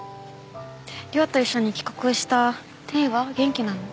亮と一緒に帰国した悌は元気なの？